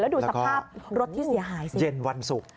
แล้วดูสภาพรถที่เสียหายสิแล้วก็เย็นวันศุกร์